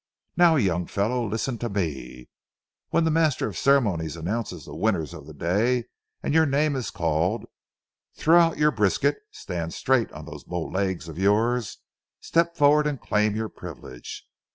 Now, young fellow, listen to me: when the master of ceremonies announces the winners of the day, and your name is called, throw out your brisket, stand straight on those bow legs of yours, step forward and claim your privilege.